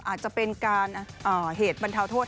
อาจจะเป็นการเหตุบรรเทาโทษ